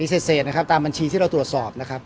ในช่วงระยะเวลาปีที่ผ่านมา